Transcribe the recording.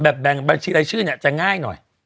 แบ่งบัญชีรายชื่อเนี่ยจะง่ายหน่อย